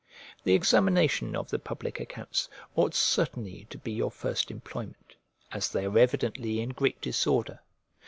The examination of the public accounts ought certainly to be your first employment, as they are evidently in great disorder.